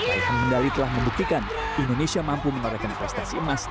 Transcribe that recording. aikun mendali telah membuktikan indonesia mampu menolakkan prestasi emas di ajak pengaragah terbesar se asia